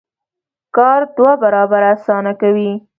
کار دوه برابره اسانه کوي.